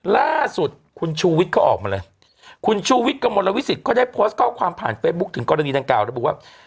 ล่าสุดคุณชูวิทย์ก็ออกมาเลยคุณชูวิทย์กระมวลวิสิตก็ได้โพสต์ข้อความผ่านเฟซบุ๊คถึงกรณีดังกล่าระบุว่า